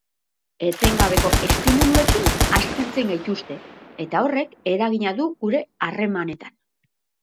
Etengabeko estimuluekin astintzen gaituzte, eta horrek eragina du gure harremanetan.